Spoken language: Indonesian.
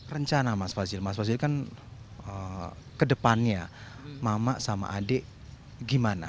rencana mas fazil mas fazil kan kedepannya mama sama adik gimana